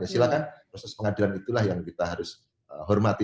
silakan proses pengadilan itulah yang kita harus hormati